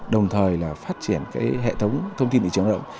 đồng thời là phát triển hệ thống thông tin thị trường lao động